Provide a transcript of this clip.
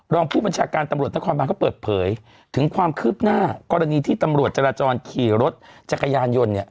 รองผู้บัญชาการตำรวจนครบานก็เปิดเผยถึงความคืบหน้ากรณีที่ตำรวจจราจรขี่รถจักรยานยนต์เนี่ย